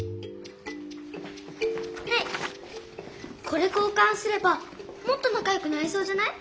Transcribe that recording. これ交かんすればもっとなかよくなれそうじゃない？